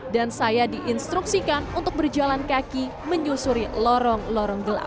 dan saya diinstruksikan untuk berjalan kaki menyusuri lorong lorong gelap